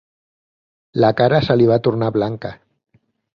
La cara se li va tornar blanca.